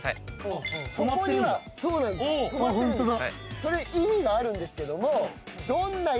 それ意味があるんですけども。